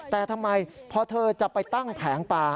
แต่ทำไมพอเธอจะไปตั้งแผงปลา